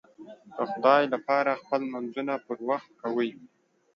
د خدای لپاره خپل لمونځونه پر وخت کوئ